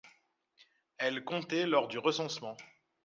Elle comptait lors du recensement.